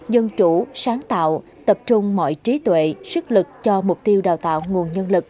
dân chủ sáng tạo tập trung mọi trí tuệ sức lực cho mục tiêu đào tạo nguồn nhân lực